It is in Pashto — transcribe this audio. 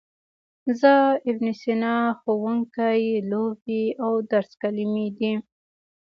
زه، ابن سینا، ښوونکی، لوبې او درس کلمې دي.